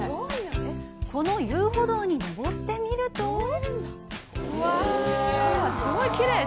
この遊歩道に上ってみるとうわぁ、すごいきれい！